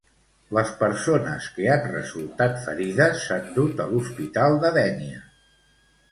Les persones que han resultat ferides s'han dut a l'Hospital de Dénia.